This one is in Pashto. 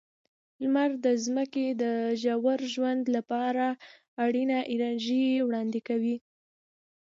لمر د ځمکې د ژور ژوند لپاره اړینه انرژي وړاندې کوي.